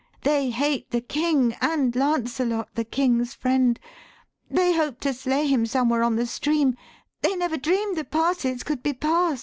They hate the King, and Lancelot, the King's friend, They hoped to slay him somewhere on the stream, They never dream'd the passes could be past.'